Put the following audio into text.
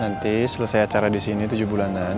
nanti selesai acara disini tujuh bulanan